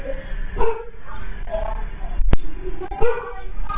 และพูดความสุดท้ายที่ที่ต้องกลัวได้